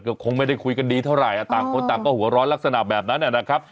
ก็คงไม่ได้คุยกันดีเท่าไหร่ต่างคนต่างก็หัวร้อนลักษณะแบบนั้นนะครับ